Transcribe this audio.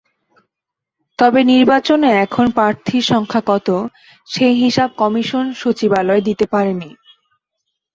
তবে নির্বাচনে এখন প্রার্থীর সংখ্যা কত, সেই হিসাব কমিশন সচিবালয় দিতে পারেনি।